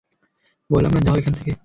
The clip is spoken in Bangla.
বললাম না যাও এখান থেকে।